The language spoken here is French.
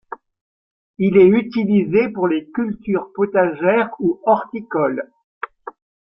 Il est utilisé pour les cultures potagères ou horticoles.